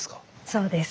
そうです。